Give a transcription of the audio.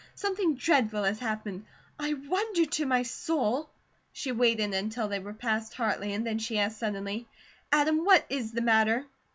Something dreadful has happened. I wonder to my soul !" She waited until they were past Hartley and then she asked suddenly: "Adam, what is the matter?"